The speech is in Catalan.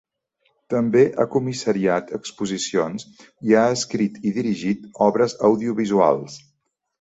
També ha comissariat exposicions i ha escrit i dirigit obres audiovisuals.